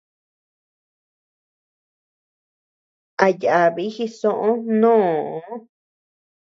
A yabi jisoʼö mnoo.